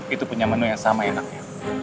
itu punya menu yang sama enaknya